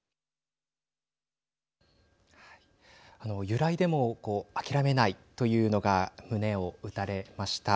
揺らいでもこう諦めないというのが胸を打たれました。